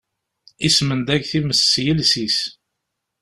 Ismendag times s yiles-is.